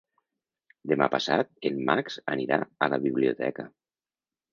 Demà passat en Max anirà a la biblioteca.